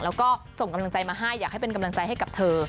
แล้วก็ส่งกำลังใจมาให้อยากให้เป็นกำลังใจให้กับเธอ